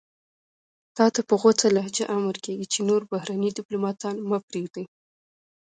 تاته په غوڅه لهجه امر کېږي چې نور بهرني دیپلوماتان مه پرېږدئ.